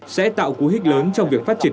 sẽ tạo cú hích lớn trong việc phát triển